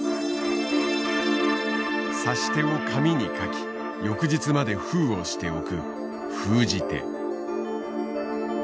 指し手を紙に書き翌日まで封をしておく封じ手。